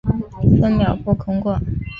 分秒不空过